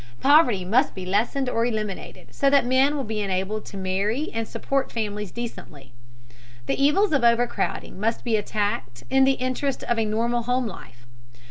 Poverty must be lessened or eliminated, so that men will be enabled to marry and support families decently. The evils of overcrowding must be attacked in the interest of a normal home life.